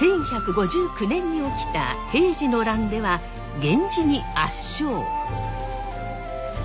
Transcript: １１５９年に起きた平治の乱では源氏に圧勝。